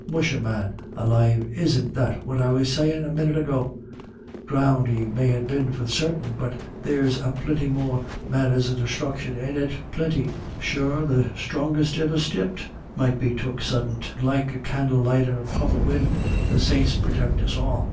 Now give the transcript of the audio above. " Musha, man alive, isn't that what I was sayin' a minit ago ? Dhrownded he mayn't be for sartin, but there's plinty more manners of desthruction in it — plinty. Sure the strongest iver stepped might be took suddint, like a candle light in a puff of win' — the saints purtect us all.